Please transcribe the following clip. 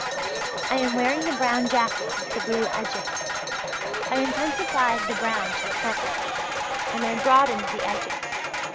I am wearing the brown jacket with the blue edging. I intensified the brown to a purple, and I broadened the edging.